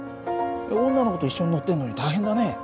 女の子と一緒に乗ってるのに大変だね。